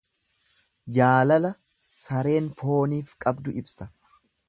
Jaalala sareen fooniif qabdu ibsa.